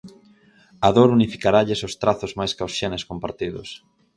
A dor unificaralles os trazos máis ca os xenes compartidos.